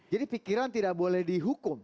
jadi pikiran tidak boleh dihukum